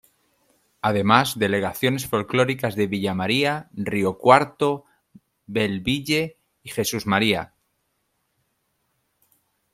Además delegaciones folclóricas de Villa María, Río Cuarto, Bell Ville y Jesús María.